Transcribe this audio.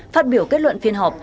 phát biểu kết luận phiên họp